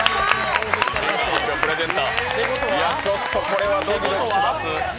ちょっとこれはドキドキします。